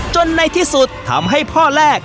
ในที่สุดทำให้พ่อแรก